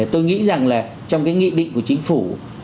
tôi nghĩ rằng là trong cái nghị định của chính phủ